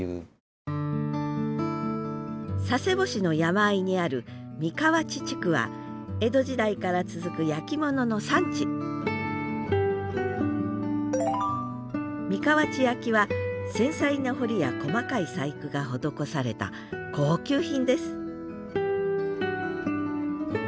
佐世保市の山あいにある三川内地区は江戸時代から続く焼き物の産地三川内焼は繊細な彫りや細かい細工が施された高級品です